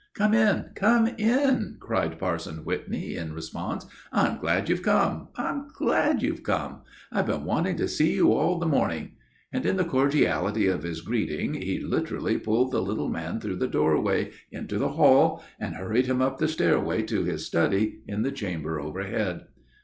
"Come in, come in," cried Parson Whitney, in response. "I'm glad you've come; I'm glad you've come. I've been wanting to see you all the morning," and in the cordiality of his greeting he literally pulled the little man through the doorway into the hall, and hurried him up the stairway to his study in the chamber overhead.